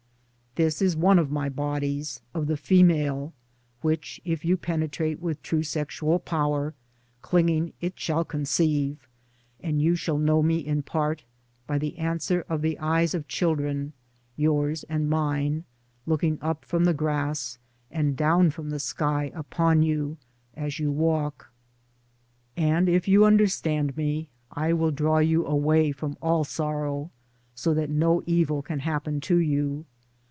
This is one of my bodies — of the female — which if you penetrate with true sexual power, clinging it shall con ceive, and you shall know me in part — by the answer of the eyes of children, yours and mine, looking up from the grass and down from the sky upon you as you walk. And if you understand me I will draw you away from all sorrow — so that no evil can happen to you.